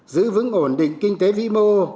giữ vững ổn định kinh tế vĩ mô